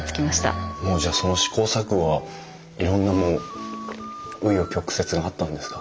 もうじゃあその試行錯誤はいろんな紆余曲折があったんですか？